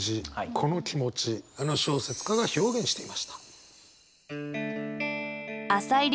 この気持ちあの小説家が表現していました。